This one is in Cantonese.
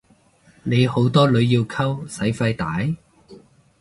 你好多女要溝使費大？